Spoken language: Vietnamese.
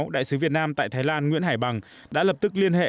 đại sứ việt nam tại thái lan nguyễn hải bằng đã lập tức liên hệ